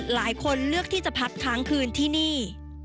หลายคนเลือกที่จะพักค้างคืนที่นี่